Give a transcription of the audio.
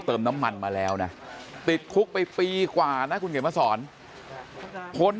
เติมน้ำมันมาแล้วนะติดคุกไปปีกว่านะคุณเขียนมาสอนพ้น